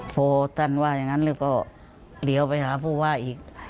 พอท่านว่าอย่างนั้นแล้วก็เลี้ยวไปหาผู้ว่าอีก